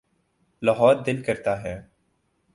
لاہور دل کرتا ہے۔